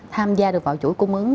tham gia được vào chuỗi cung ứng